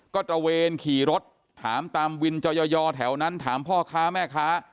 ก็ตระเวนขี่รถถามตามวินจอยอแถวนั้นถามพ่อค้าแม่ค้า